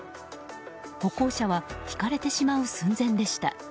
歩行者はひかれてしまう寸前でした。